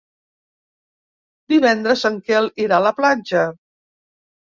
Divendres en Quel irà a la platja.